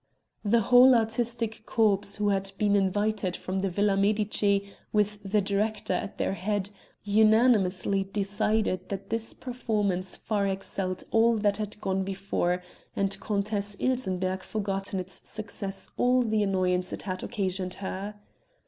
The whole artistic corps who had been invited from the Villa Medici, with the director at their head, unanimously decided that this performance far excelled all that had gone before, and Countess Ilsenbergh forgot in its success all the annoyance it had occasioned her.